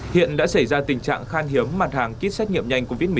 hiện đã xảy ra tình trạng khan hiệu